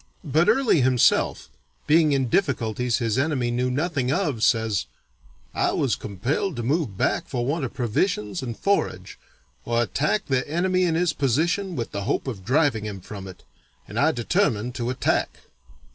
But Early himself, being in difficulties his enemy knew nothing of, says, "I was compelled to move back for want of provisions and forage, or attack the enemy in his position with the hope of driving him from it, and I determined to attack."